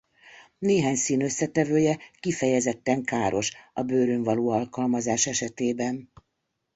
Néhány szín összetevője kifejezetten káros a bőrön való alkalmazás esetében.